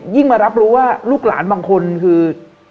มารับรู้ว่าลูกหลานบางคนคือ